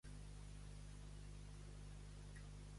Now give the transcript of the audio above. Tindrà plet qui demana més de son dret.